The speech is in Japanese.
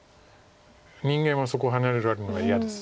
人間はそこハネられるのが嫌です。